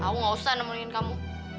aku gak usah nemuin kamu